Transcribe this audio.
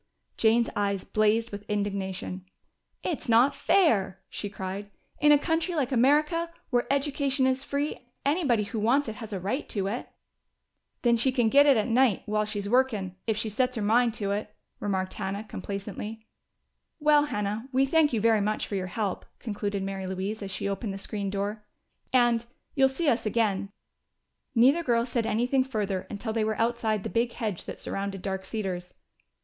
Jane's eyes blazed with indignation. "It's not fair!" she cried. "In a country like America, where education is free. Anybody who wants it has a right to it." "Then she can git it at night school while she's workin', if she sets her mind to it," remarked Hannah complacently. "Well, Hannah, we thank you very much for your help," concluded Mary Louise as she opened the screen door. "And you'll see us again!" Neither girl said anything further until they were outside the big hedge that surrounded Dark Cedars.